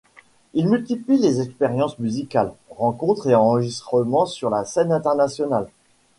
Il multiplie les expériences musicales, rencontres et enregistrements sur la scène internationale.